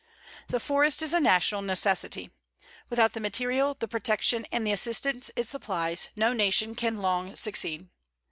The forest is a national necessity. Without the material, the protection, and the assistance it supplies, no nation can long succeed.